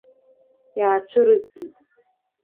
Иаацәырызгеит.